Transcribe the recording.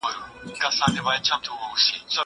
زه به سبا د تکړښت لپاره ولاړم!